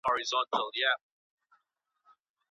صدقه ورکول نه کمېږي.